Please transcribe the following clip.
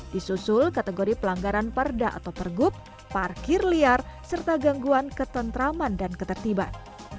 disusul kategori pelanggaran perda atau pergub parkir liar serta gangguan ketentraman dan ketertiban